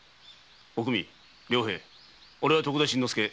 おくみ良平おれは徳田新之助